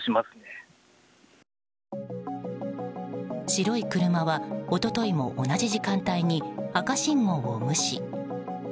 白い車は一昨日も同じ時間帯に赤信号を無視。